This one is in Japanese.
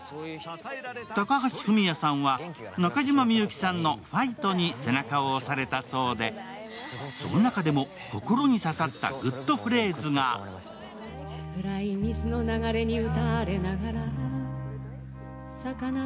高橋文哉さんは中島みゆきさんの「ファイト！」に背中を押されたそうで、その中でも心に刺さったグッドフレーズが今回の説は？